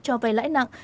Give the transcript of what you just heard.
cho vay lãi nặng